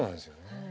はい。